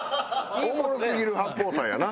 おもろすぎる八宝菜やな。